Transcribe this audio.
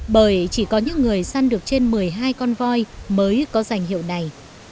bởi chỉ có những người săn được trên một mươi hai con voi mới có danh hiệu này